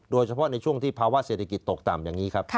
โดยเฉพาะในช่วงที่ภาวะเศรษฐกิจตกต่ำอย่างนี้ครับ